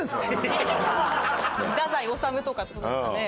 太宰治とかって事ですかね？